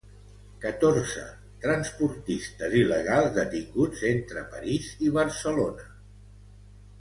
Catorze transportistes il·legals detinguts entre París i Barcelona.